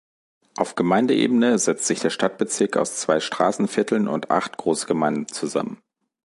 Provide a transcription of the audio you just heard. Auf Gemeindeebene setzt sich der Stadtbezirk aus zwei Straßenvierteln und acht Großgemeinden zusammen.